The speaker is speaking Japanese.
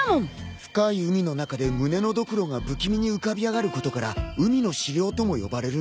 深い海の中で胸のドクロが不気味に浮かび上がることから海の死霊とも呼ばれるんだよ。